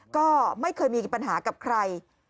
ก็ไม่เคยมีปัญหากับใคร